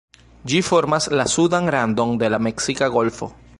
Ĝi formas la sudan randon de la Meksika Golfo.